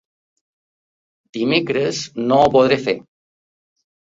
Dimecres no ho podré fer.